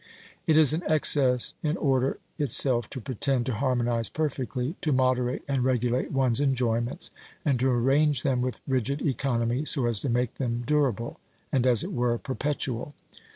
It is an excess in order itself to pretend to harmonise perfectly, to moderate and regulate one's enjoyments, and to arrange them with rigid economy so as to make them durable and, as it were, perpetual.